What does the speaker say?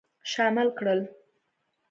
شامل کړل.